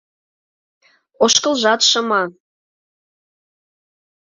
Ошкылжат шыма.